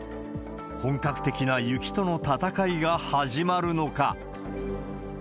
本格的な雪との戦いが始まるのか。